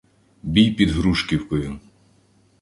Бій під Грушківкою